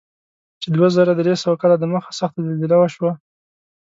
چې دوه زره درې سوه کاله دمخه سخته زلزله وشوه.